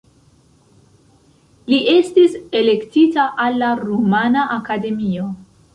Li estis elektita al la Rumana Akademio.